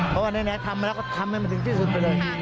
เพราะว่าแน่ทำมาแล้วก็ทำให้มันถึงที่สุดไปเลย